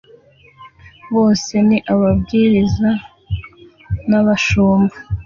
bose ni ababwiriza n'abashumba